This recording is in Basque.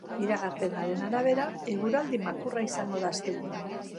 Iragarpenaren arabera, eguraldi makurra izango da asteburuan.